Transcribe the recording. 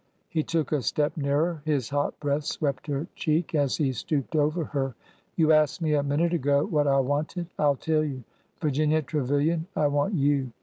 He took a step nearer. His hot breath swept her cheek as he stooped over her. You asked me a minute ago what I wanted. I 'll tell you. Virginia Trevilian, I want you!